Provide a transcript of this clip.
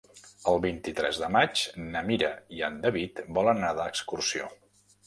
El vint-i-tres de maig na Mira i en David volen anar d'excursió.